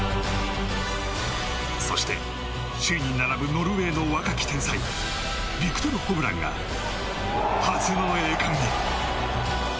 そして、首位に並ぶノルウェーの若き天才ビクトル・ホブランが初の栄冠へ。